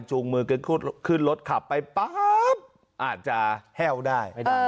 มือกันขึ้นรถขับไปป๊าบอาจจะแห้วได้